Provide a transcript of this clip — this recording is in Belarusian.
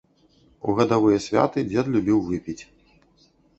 У гадавыя святы дзед любіў выпіць.